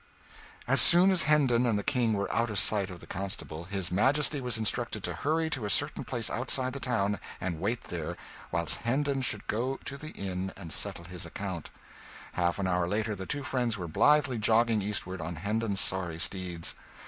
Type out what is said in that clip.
As soon as Hendon and the King were out of sight of the constable, his Majesty was instructed to hurry to a certain place outside the town, and wait there, whilst Hendon should go to the inn and settle his account. Half an hour later the two friends were blithely jogging eastward on Hendon's sorry steeds.